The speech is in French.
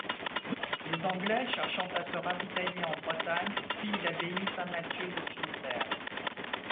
Les Anglais cherchant à se ravitailler en Bretagne pillent l'abbaye Saint-Mathieu de Fine-Terre.